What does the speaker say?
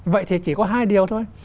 vậy thì chỉ có hai điều thôi